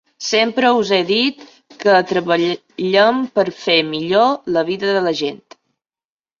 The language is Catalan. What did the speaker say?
Sempre us he dit que treballem per fer millor la vida de la gent.